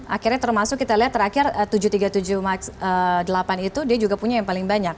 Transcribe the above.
akhirnya termasuk kita lihat terakhir tujuh ratus tiga puluh tujuh max delapan itu dia juga punya yang paling banyak